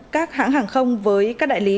các hãng hàng không với các đại lý